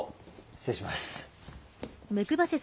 失礼します。